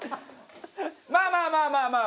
まあまあまあまあ。